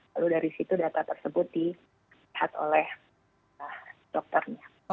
lalu dari situ data tersebut dilihat oleh dokternya